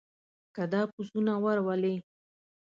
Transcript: که دا پسونه ور ولې.